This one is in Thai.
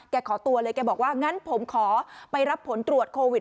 ขอตัวเลยแกบอกว่างั้นผมขอไปรับผลตรวจโควิด